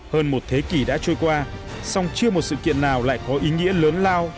hơn một thế kỷ đã trôi qua song chưa một sự kiện nào lại có ý nghĩa lớn lao